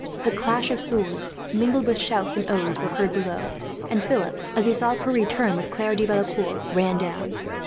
The clash of swords, mingled with shouts and oaths, were heard below; and Philip, as he saw Pierre turn with Claire de Valecourt, ran down.